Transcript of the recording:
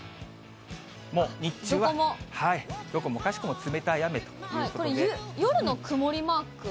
もう日中はどこもかしこも冷たいこれ、夜の曇りマークは？